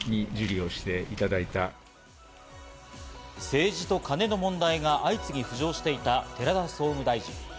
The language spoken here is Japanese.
政治と金の問題が相次ぎ浮上していた寺田総務大臣。